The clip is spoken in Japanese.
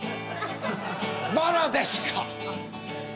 バラですか？」。